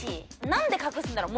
何で隠すんだろう。